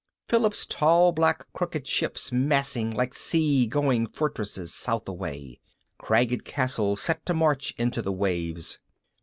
Philip's tall black crooked ships massing like sea going fortresses south away cragged castles set to march into the waves.